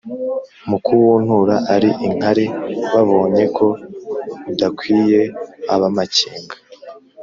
mu kuwuntura ari inkare, babonye ko udakwiye ab'amakenga